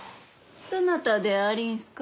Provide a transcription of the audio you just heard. どなたでありんすか？